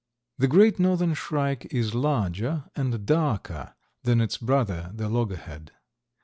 The Great Northern Shrike is larger and darker than its brother, the loggerhead.